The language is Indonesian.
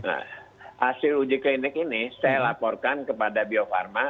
nah hasil uji klinik ini saya laporkan kepada bio farma